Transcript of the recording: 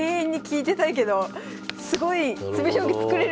すごい。